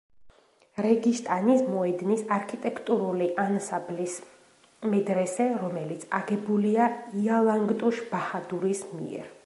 რეგისტანის მოედნის არქიტექტურული ანსამბლის მედრესე, რომელიც აგებულია იალანგტუშ ბაჰადურის მიერ.